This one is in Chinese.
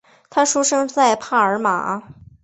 他出生在帕尔马。